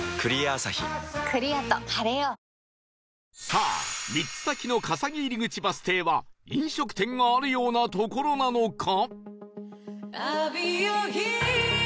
さあ３つ先の笠木入口バス停は飲食店があるような所なのか？